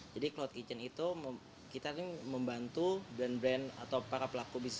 jadi cloud kitchen itu kita membantu brand brand atau para pelaku bisnis f b